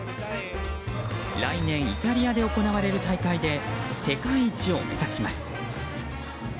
来年イタリアで行われる大会で世界一を目指します。